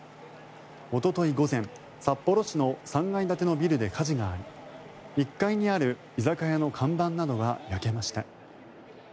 おととい午前、札幌市の３階建てのビルで火事があり１階にある居酒屋の看板などが焼けました。